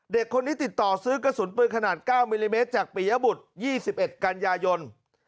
เด็กคนนี้ติดต่อซื้อกระสุนปืนขนาด๙มิลลิเมตรจากปียบุตร๒๑กันยายน